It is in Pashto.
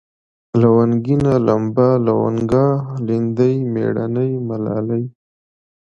لونگينه ، لمبه ، لونگه ، ليندۍ ، مېړنۍ ، ملالۍ